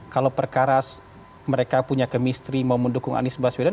kalau perkara mereka punya kemistri mau mendukung anies baswedan